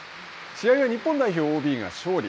試合は日本代表ＯＢが勝利。